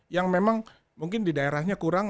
yang memang mungkin di daerahnya kurang